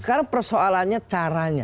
sekarang persoalannya caranya